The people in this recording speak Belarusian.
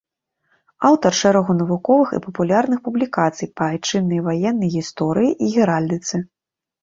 Аўтар шэрагу навуковых і папулярных публікацый па айчыннай ваеннай гісторыі і геральдыцы.